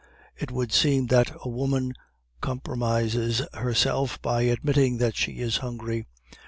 It would seem that a woman compromises herself by admitting that she is hungry.